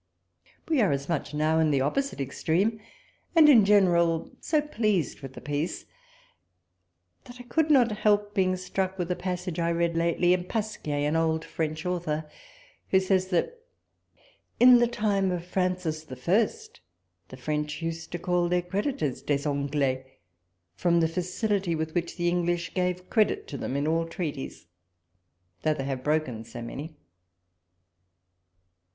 We are as much now in tlie opposite extreme, and in general so pleased with the peace, that I could not help being struck with a passage I read lately in Pasquier, an old French author, who says, " that in the time of Francis I. the French used to call their creditors ' Des Anglois,' from the facility with which the English gave credit to them in all treaties, though they have broken so many.